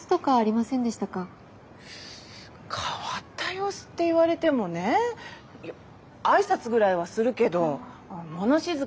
変わった様子って言われてもねいや挨拶ぐらいはするけど物静かな人だしねえ。